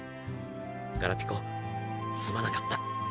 ガラピコすまなかった。